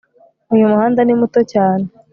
Uyu muhanda ni muto cyane